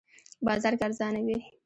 بازار کې ارزانه وی